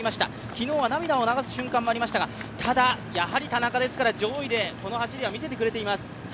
昨日は涙を流す瞬間もありましたが、ただ、やはり田中ですから上位でこの走りを見せてくれています。